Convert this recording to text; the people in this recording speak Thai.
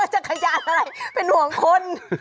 จักรยานอะไรเป็นห่วงคน